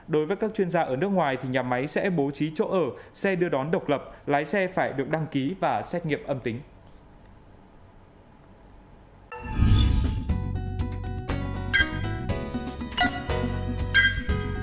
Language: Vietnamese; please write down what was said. đối với các chuyên gia ở nước ngoài thì nhà máy sẽ bố trí chỗ ở xe đưa đón độc lập lái xe phải được đăng ký và xét nghiệm âm tính